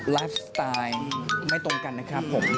ไลฟ์สไตล์ไม่ตรงกันนะครับผม